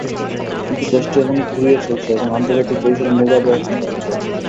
কিন্তু দেশটি এখনো খুঁড়িয়ে চলছে এবং আন্তর্জাতিক পরিসরে মুগাবে এখনো একঘরে।